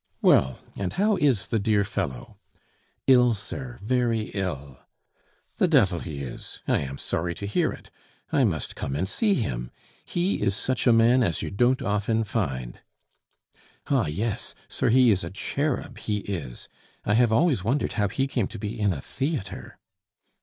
"Well, and how is the dear fellow?" "Ill, sir very ill." "The devil he is! I am sorry to hear it I must come and see him; he is such a man as you don't often find." "Ah yes! sir, he is a cherub, he is. I have always wondered how he came to be in a theatre."